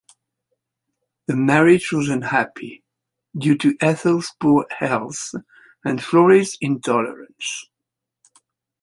The marriage was unhappy, due to Ethel's poor health and Florey's intolerance.